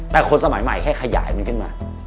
แต่คนสมัยใหม่แค่ขยายมันขึ้นมา